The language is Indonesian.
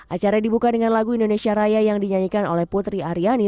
acara dibuka dengan lagu indonesia raya yang dinyanyikan oleh putri aryani